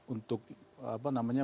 untuk apa namanya